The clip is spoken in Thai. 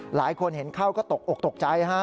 หลายคนเห็นเข้าก็ตกอกตกใจฮะ